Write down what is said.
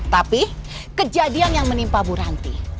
tapi kejadian yang menimpa bu ranti